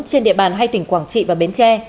trên địa bàn hai tỉnh quảng trị và bến tre